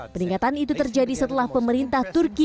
peningkatan itu terjadi setelah pemerintah turki